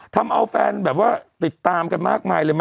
ทำเอาแฟนแบบว่าติดตามกันมากมายเลย